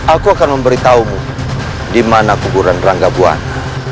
aku akan memberitahumu di mana kuburan raka buana